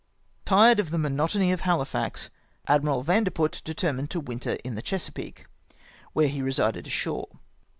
Thed of the monotony of Hahfax, Admiral Vandeput determnied to winter in the Chesapeake, where he resided ashore.